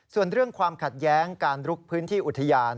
ส่วนเรื่องความขัดแย้งการลุกพื้นที่อุทยาน